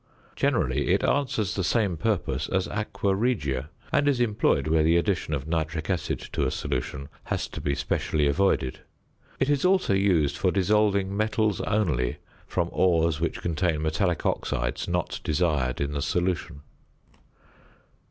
Generally it answers the same purpose as aqua regia, and is employed where the addition of nitric acid to a solution has to be specially avoided. It is also used for dissolving metals only from ores which contain metallic oxides not desired in the solution.